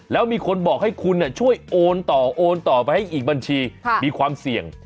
แล้วมีคนบอกให้คุณช่วยโอนต่อโอนต่อไปให้อีกบัญชีมีความเสี่ยง